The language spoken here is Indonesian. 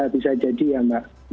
bisa jadi ya mbak